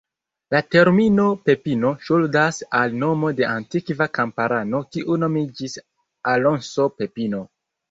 La termino "Pepino" ŝuldas al nomo de antikva kamparano kiu nomiĝis Alonso Pepino.